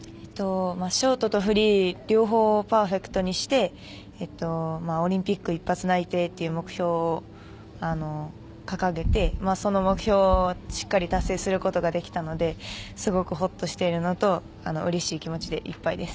ショートとフリー両方パーフェクトにしてオリンピック一発内定という目標を掲げて、その目標をしっかり達成することができたのですごくほっとしているのとうれしい気持ちでいっぱいです。